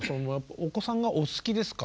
お子さんがお好きですか？